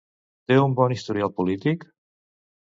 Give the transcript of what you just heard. Té un bon historial polític?